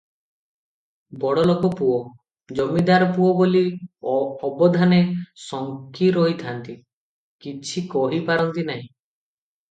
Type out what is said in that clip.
ବଡ଼ଲୋକ ପୁଅ, ଜମିଦାର ପୁଅ ବୋଲି ଅବଧାନେ ଶଙ୍କି ରହିଥାନ୍ତି, କିଛି କହି ପାରନ୍ତି ନାହିଁ ।